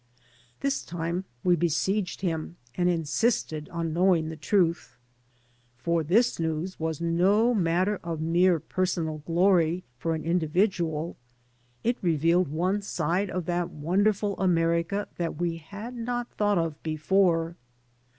This time we besieged him and insisted on knowing the truth. For this news was no matter of mere personal glory for an individual. It revealed one side of that wonderful America that we had not thought of before.